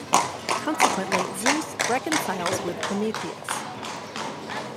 Consequently, Zeus reconciles with Prometheus.